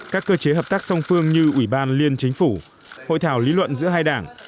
các cơ chế hợp tác song phương như ủy ban liên chính phủ hội thảo lý luận giữa hai đảng